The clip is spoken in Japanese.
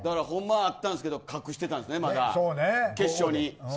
ほんまはあったんですけど隠していたんですね、決勝に。